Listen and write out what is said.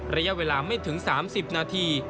ระยะเวลาไม่ถึง๓๐นาที